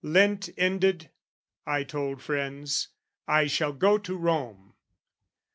"Lent "Ended," I told friends, "I shall go to Rome."